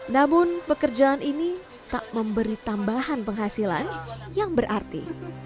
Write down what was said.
namun pekerjaan ini tak memberi tambahan penghasilan yang berarti